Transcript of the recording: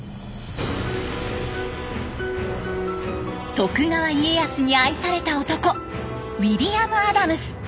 徳川家康に愛された男ウィリアム・アダムス。